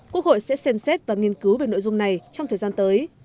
quốc hội sẽ xem xét và nghiên cứu về nội dung này trong thời gian tới